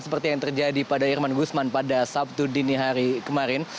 seperti yang terjadi pada irman gusman pada sabtu dini hari kemarin